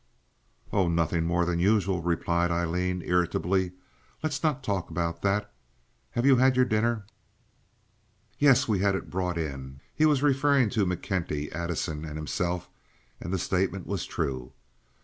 "Oh, nothing more than usual," replied Aileen, irritably. "Let's not talk about that. Have you had your dinner?" "Yes, we had it brought in." He was referring to McKenty, Addison, and himself, and the statement was true.